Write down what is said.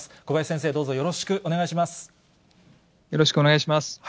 小林先生、どうぞよろしくお願いいたします。